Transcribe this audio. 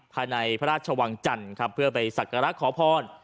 ภายในพระราชวังจันทร์ครับเพื่อไปสักการะขอพร